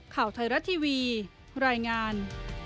ข่าวไทยรัฐทีวีรายงาน